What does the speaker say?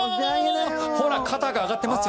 ほら肩が上がってますよ。